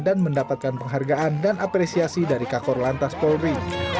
dan mendapatkan penghargaan dan apresiasi dari kakor lantas polri